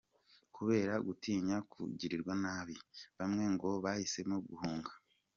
Kubera gutinya kugirirwa nabi, bamwe ngo bahisemo guhunga.